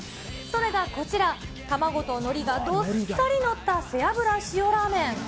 それがこちら、卵とのりがどっさり載った背脂塩ラーメン。